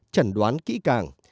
chẩn đoán kỹ càng